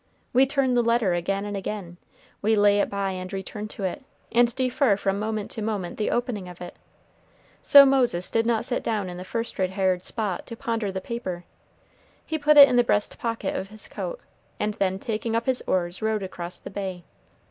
We turn the letter again and again, we lay it by and return to it, and defer from moment to moment the opening of it. So Moses did not sit down in the first retired spot to ponder the paper. He put it in the breast pocket of his coat, and then, taking up his oars, rowed across the bay.